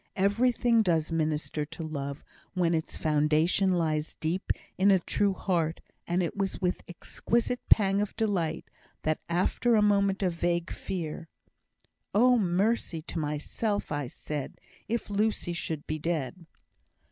Everything does minister to love when its foundation lies deep in a true heart, and it was with an exquisite pang of delight that, after a moment of vague fear, (Oh, mercy! to myself I said, If Lucy should be dead!)